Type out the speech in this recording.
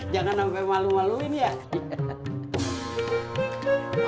jangan sampai malu maluin ya